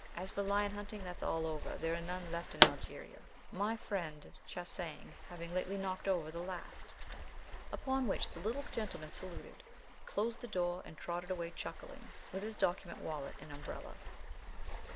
As for lion hunting, that's all over. There are none left in Algeria, my friend Chassaing having lately knocked over the last." Upon which the little gentleman saluted, closed the door, and trotted away chuckling, with his document wallet and umbrella.